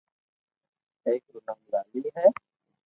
اآڪ رو نوم لالي ھي